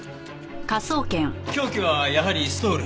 凶器はやはりストール。